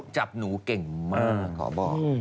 จับหนูเก่งมากขอบอก